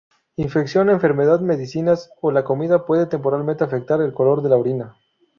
Infección, enfermedad, medicinas, o la comida puede, temporalmente, afectar el color de la orina".